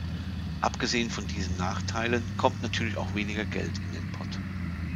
Abgesehen von diesen Nachteilen kommt natürlich auch weniger Geld in den Pot.